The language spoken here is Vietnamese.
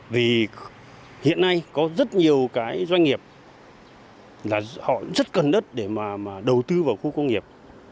vì hiện nay có rất nhiều cái doanh nghiệp là họ rất cần đất để mà đầu tư vào khu công nghiệp